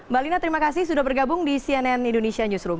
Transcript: mbak lina terima kasih sudah bergabung di cnn indonesia newsroom